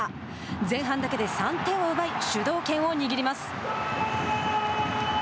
前半だけで３点を奪い主導権を握ります。